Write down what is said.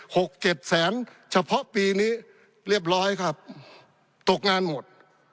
หกเจ็ดแสนเฉพาะปีนี้เรียบร้อยครับตกงานหมด